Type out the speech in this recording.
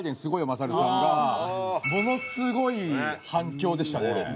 マサルさん』がものすごい反響でしたね。